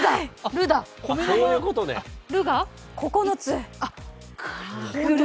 ルが９つ？